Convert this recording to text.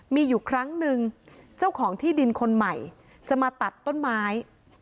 มีอยู่ครั้งหนึ่งเจ้าของที่ดินคนใหม่จะมาตัดต้นไม้